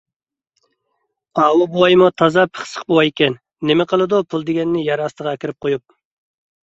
ئاۋۇ بوۋايمۇ تازا پىخسىق بوۋايكەن. نېمە قىلىدۇ پۇل دېگەننى يەر ئاستىغا ئەكىرىپ قويۇپ؟